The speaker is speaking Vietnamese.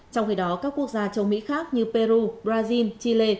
trong khi đó các quốc gia châu mỹ khác như peru brazil chile